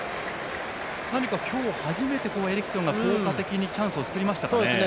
何か今日、初めてエリクセンが効果的にチャンスを作りましたかね。